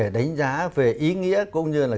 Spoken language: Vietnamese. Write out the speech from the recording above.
đánh giá về ý nghĩa cũng như là